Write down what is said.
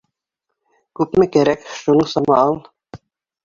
Күпме кәрәк, шуның сама ал!